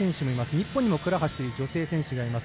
日本にも倉橋という女性選手がいます。